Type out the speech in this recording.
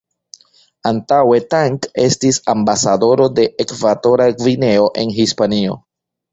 Antaŭe Tang estis ambasadoro de Ekvatora Gvineo en Hispanio.